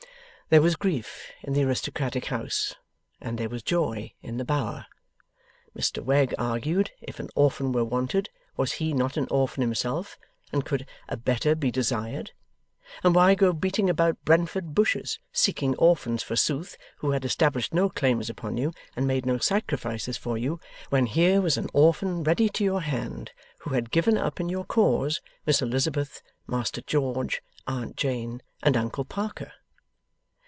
There was grief in the aristocratic house, and there was joy in the Bower. Mr Wegg argued, if an orphan were wanted, was he not an orphan himself; and could a better be desired? And why go beating about Brentford bushes, seeking orphans forsooth who had established no claims upon you and made no sacrifices for you, when here was an orphan ready to your hand who had given up in your cause, Miss Elizabeth, Master George, Aunt Jane, and Uncle Parker?